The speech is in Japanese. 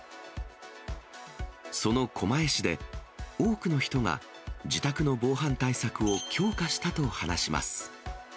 その狛江市で、多くの人が自宅の防犯対策を強化したと話します。